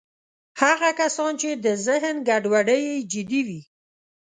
هغه کسان چې د ذهن ګډوډۍ یې جدي وي